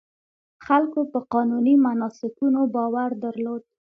خلکو په قانوني مناسکونو باور درلود.